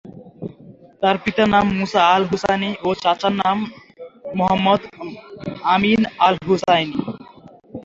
তার পিতার নাম মুসা আল-হুসাইনি ও চাচার নাম মুহাম্মদ আমিন আল-হুসাইনি।